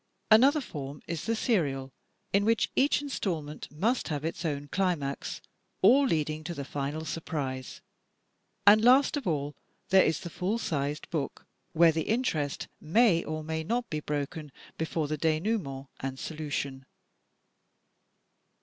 Another form is the serial, in which each installment must have its own climax, all leading to the final surprise. And last of all, there is the full sized book, where the interest may or may not be broken before the dinouement and solution.